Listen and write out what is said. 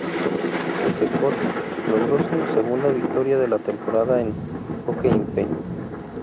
Cecotto logró su segunda victoria de la temporada en Hockenheim.